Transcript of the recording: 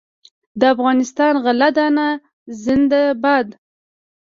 د افغانستان غله دانه زنده باد.